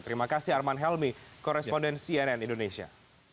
terima kasih arman helmi koresponden cnn indonesia